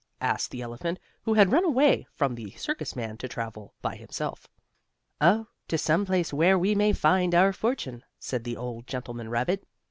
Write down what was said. asked the elephant, who had run away from the circus man to travel by himself. "Oh, to some place where we may find our fortune," said the old gentleman rabbit.